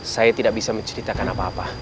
saya tidak bisa menceritakan apa apa